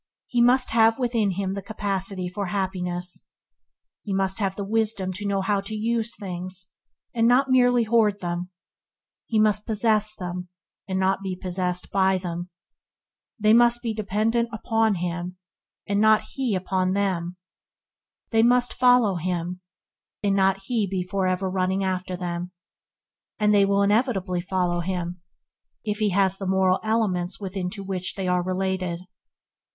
He must have within him the capacity for happiness. He must have the wisdom to know how to use these things, and not merely hoard them. He must possess them, and not be possessed by them. They must be dependent upon him, and not he upon them. They must be dependent upon him, and not he upon them. They must follow him, and not be for ever be running after them; and they will inevitably follow him, if he has the moral elements within to which they are related.